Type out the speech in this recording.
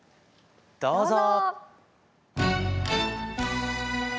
どうぞ。